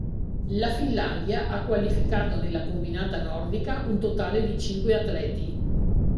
La Finlandia ha qualificato nella combinata nordica un totale di cinque atleti.